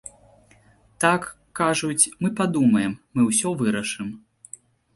Так, кажуць, мы падумаем, мы ўсё вырашым.